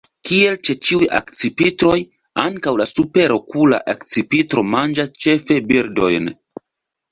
Kiel ĉe ĉiuj akcipitroj, ankaŭ la Superokula akcipitro manĝas ĉefe birdojn.